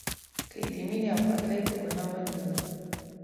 که یې د میینې او خوښۍ په ګناه ونیولم